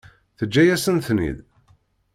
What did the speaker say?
Teǧǧa-yasent-ten-id?